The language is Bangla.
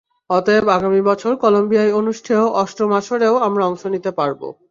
অতএব, আগামী বছর কলম্বিয়ায় অনুষ্ঠেয় অষ্টম আসরেও আমরা অংশ নিতে পারব।